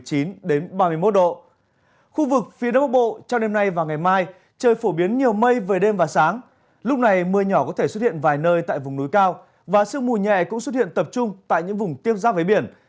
trong ba ngày tới tại khu vực phía tây bắc bộ đêm và sáng nhiều mây chơi phổ biến nhiều mây lúc này mưa nhỏ có thể xuất hiện vài nơi tại vùng núi cao và sương mù nhẹ cũng xuất hiện tập trung tại những vùng tiếp giáp với biển